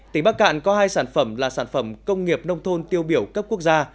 tỉnh bắc cạn có hai sản phẩm là sản phẩm công nghiệp nông thôn tiêu biểu cấp quốc gia